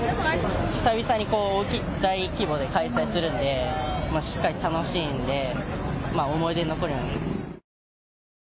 久々に大規模で開催するのでしっかり楽しんで思い出に残るように。